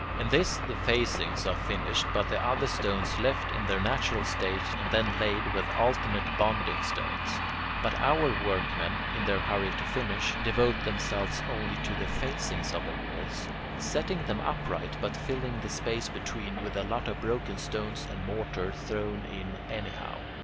In this the facings are finished, but the other stones left in their natural state and then laid with alternate bonding stones. But our workmen, in their hurry to finish, devote themselves only to the facings of the walls, setting them upright but filling the space between with a lot of broken stones and mortar thrown in anyhow.